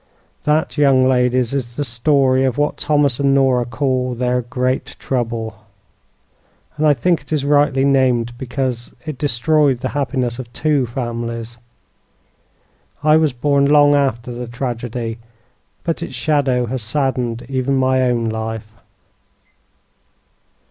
"That, young ladies, is the story of what Thomas and Nora call their 'great trouble'; and I think it is rightly named, because it destroyed the happiness of two families. I was born long after the tragedy, but its shadow has saddened even my own life."